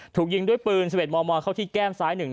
ถูกยิงด้วยปืนเสม็ดมวลมวลเข้าที่แก้มซ้ายหนึ่ง